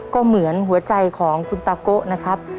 ก็เหมือนหัวใจของคุณตาโกนะครับ